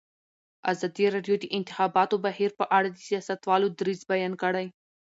ازادي راډیو د د انتخاباتو بهیر په اړه د سیاستوالو دریځ بیان کړی.